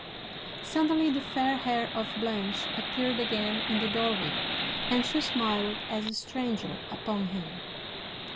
Suddenly the fair hair of Blanche appeared again in the doorway, and she smiled as a stranger upon him.